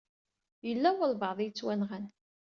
Yella walebɛaḍ i yettwanɣan.